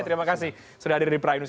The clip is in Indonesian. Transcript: terima kasih sudah hadir di praindus